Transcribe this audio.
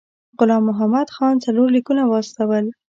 غلام محمد خان څلور لیکونه واستول.